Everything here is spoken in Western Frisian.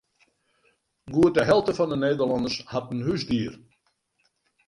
Goed de helte fan de Nederlanners hat in húsdier.